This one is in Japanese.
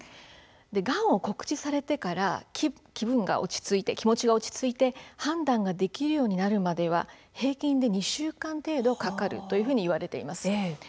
がんを告知されてから気持ちが落ち着いて判断ができるようになるまでは平均で２週間程度かかるというふうにいわれています。